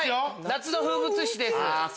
夏の風物詩です。